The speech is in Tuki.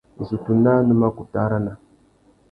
Issutu naā nu mà kutu arana.